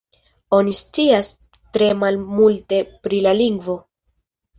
Oni scias tre malmulte pri la lingvo.